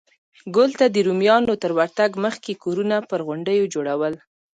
ګول ته د رومیانو تر ورتګ مخکې کورونه پر غونډیو جوړول